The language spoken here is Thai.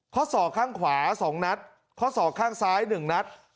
เค้าสอกข้างขวา๒นัทเค้าสอกข้างซ้าย๑นัท